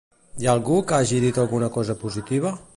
Hi ha algú que hagi dit alguna cosa positiva?